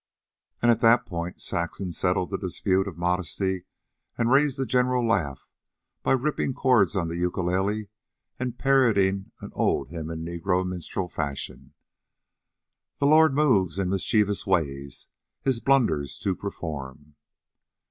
And at that point Saxon settled the dispute of modesty and raised a general laugh by rippling chords on the ukulele and parodying an old hymn in negro minstrel fashion: "De Lawd move in er mischievous way His blunders to perform."